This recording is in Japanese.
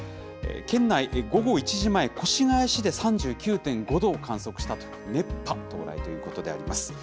県内、午後１時前、越谷市で３９．５度を観測したと、熱波到来ということであります。